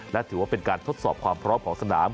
และถือว่าเป็นการทดสอบความพร้อมของสนาม